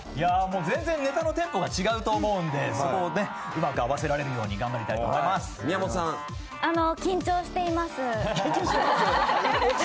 全然ネタのテンポが違うと思うんでそこをうまく合わせられるように頑張りたいと思います。